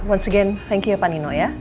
once again thank you ya panino ya